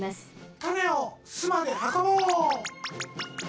たねをすまではこぼう！